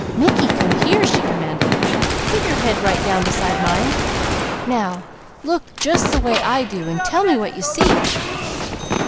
"Mickey, come here!" she commanded. "Put your head right down beside mine. Now look just the way I do, an' tell me what you see."